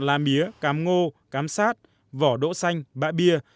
lá mía cám ngô cám sát vỏ đỗ xanh bã bia